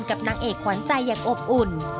นางเอกขวัญใจอย่างอบอุ่น